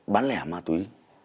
bán lẻ mà thúy